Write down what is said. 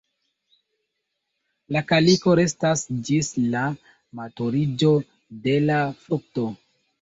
La kaliko restas ĝis la maturiĝo de la frukto.